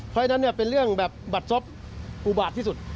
เพราะฉะนั้นเนี่ยเป็นเรื่องแบบบัดศพอุบาตที่สุด